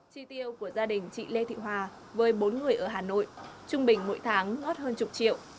chi tiêu của gia đình chị lê thị hòa với bốn người ở hà nội trung bình mỗi tháng ngớt hơn chục triệu